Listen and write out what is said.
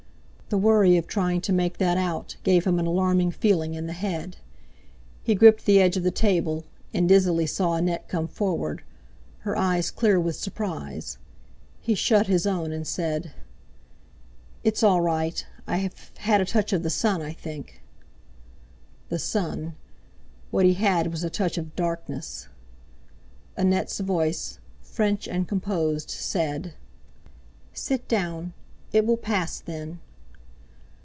The worry of trying to make that out gave him an alarming feeling in the head. He gripped the edge of the table, and dizzily saw Annette come forward, her eyes clear with surprise. He shut his own and said: "It's all right. I've had a touch of the sun, I think." The sun! What he had was a touch of darkness! Annette's voice, French and composed, said: "Sit down, it will pass, then."